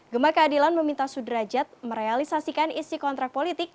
gema keadilan meminta sudrajat merealisasikan isi kontrak politik